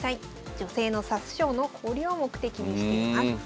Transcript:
女性の指す将の交流を目的にしています。